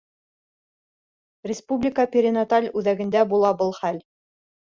Республика перинаталь үҙәгендә була был хәл.